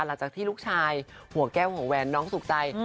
หลังจากที่ลูกชายหัวแก้วหัวแหวนน้องสุขใจ